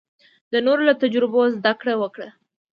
د نورو له تجربو زده کړه وکړه.